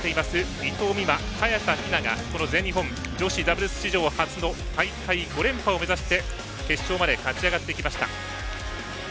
伊藤美誠、早田ひなが全日本女子ダブルス史上初の大会５連覇を目指して決勝まで勝ち上がってきました。